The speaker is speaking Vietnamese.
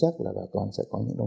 họ làm ăn với chúng ta